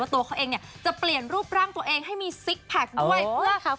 ว่าตัวเขาเองจะเปลี่ยนรูปร่างตัวเองให้มีซิกแพคด้วย